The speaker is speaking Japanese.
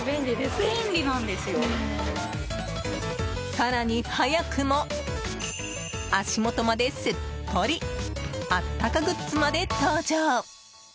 更に、早くも足元まですっぽりあったかグッズまで登場！